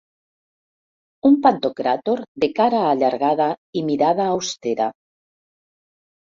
Un pantocràtor de cara allargada i mirada austera.